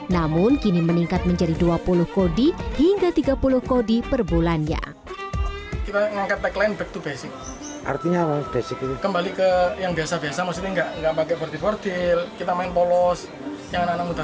namun kini meningkat menjadi dua puluh kodi hingga tiga puluh kodi per bulannya